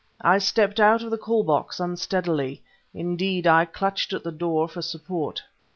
I stepped out of the call box unsteadily. Indeed, I clutched at the door for support.